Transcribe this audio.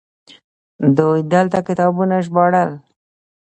دوی دلته کتابونه ژباړل